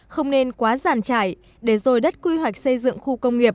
không nên quá giàn trải để rồi đất quy hoạch xây dựng khu công nghiệp